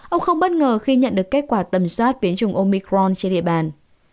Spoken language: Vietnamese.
ông không bất ngờ khi nhận được kết quả tầm soát biến chủng omicron trên địa bàn